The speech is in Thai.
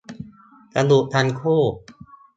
สนุกทั้งคู่